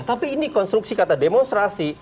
tapi ini konstruksi kata demonstrasi